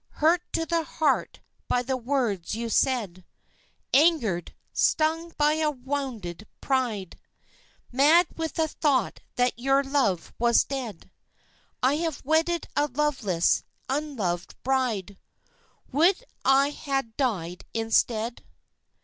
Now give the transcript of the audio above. Hurt to the heart by the words you said,_ Angered, stung by a wounded pride, Mad with the thought that your love was dead I have wedded a loveless, unloved bride Would I had died instead!